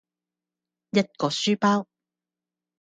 一個書包